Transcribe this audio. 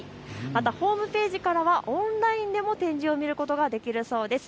またホームページからはオンラインでも展示を見ることができるそうです。